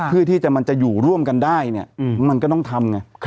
ที่มันจะอยู่ร่วมกันได้เนี่ยมันก็ต้องทำไง